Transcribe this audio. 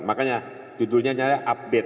makanya judulnya saya update